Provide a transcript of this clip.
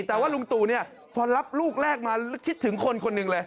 แต่ว่าลุงตู่เนี่ยพอรับลูกแรกมาคิดถึงคนคนหนึ่งเลย